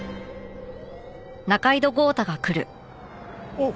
おっ！